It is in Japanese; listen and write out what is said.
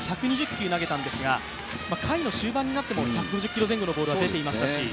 球投げたんですが回の終盤になっても１２０キロ前後のボールは出てましたし。